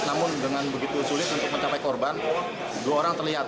namun dengan begitu sulit untuk mencapai korban dua orang terlihat